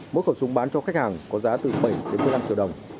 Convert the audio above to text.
mỗi khẩu súng bán cho khách hàng có giá từ bảy đến một mươi năm triệu đồng